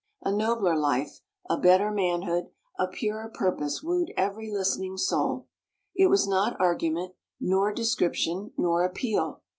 A nobler life, a better manhood, a purer purpose wooed every listening soul. It was not argument, nor description, nor appeal.